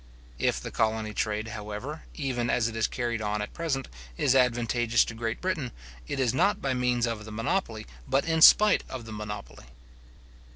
If the colony trade, however, even as it is carried on at present, is advantageous to Great Britain, it is not by means of the monopoly, but in spite of the monopoly.